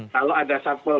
kalau ada sampel